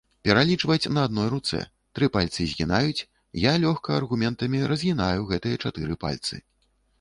Пералічваць на адной руцэ, тры пальцы згінаюць, я лёгка аргументамі разгінаю гэтыя чатыры пальцы.